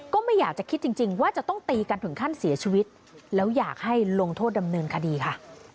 ก็ไม่อยากจะคิดจริงว่าจะต้องตีกันถึงขั้นเสียชีวิตแล้วอยากให้ลงโทษดำเนินคดีค่ะ